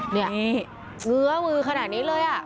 นี่เงื้อมือขนาดนี้เลย